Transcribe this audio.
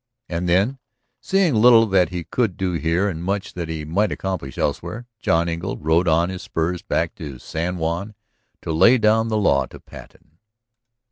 And then, seeing little that he could do here and much that he might accomplish elsewhere, John Engle rode on his spurs back to San Juan to lay down the law to Patten.